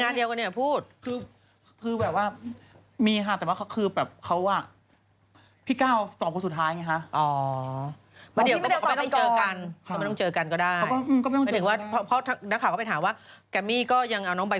อ่าไม่พูดพรรมทำเพลงกันไป